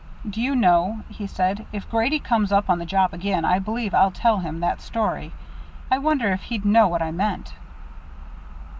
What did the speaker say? "Do you know," he said, "if Grady comes up on the job again, I believe I'll tell him that story? I wonder if he'd know what I meant."